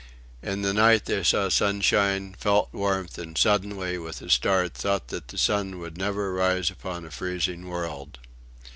In the night they saw sunshine, felt warmth, and suddenly, with a start, thought that the sun would never rise upon a freezing world.